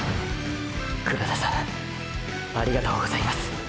黒田さんありがとうございます。